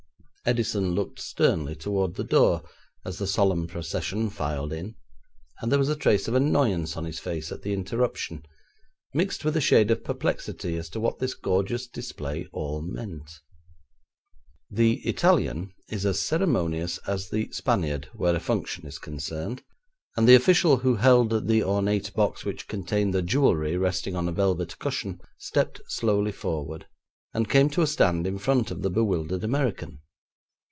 Edison looked sternly towards the door as the solemn procession filed in, and there was a trace of annoyance on his face at the interruption, mixed with a shade of perplexity as to what this gorgeous display all meant. The Italian is as ceremonious as the Spaniard where a function is concerned, and the official who held the ornate box which contained the jewellery resting on a velvet cushion, stepped slowly forward, and came to a stand in front of the bewildered American.